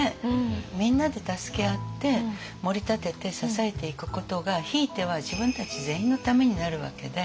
みんなで助け合ってもり立てて支えていくことがひいては自分たち全員のためになるわけで。